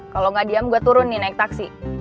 kalo gak diem gue turun nih naik taksi